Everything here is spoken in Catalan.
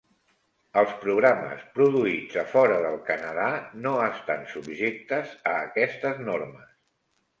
Els programes produïts a fora del Canadà no estan subjectes a aquestes normes.